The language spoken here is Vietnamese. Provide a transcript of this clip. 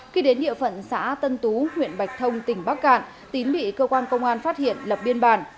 khi đến địa phận xã tân tú huyện bạch thông tỉnh bắc cạn tín bị cơ quan công an phát hiện lập biên bản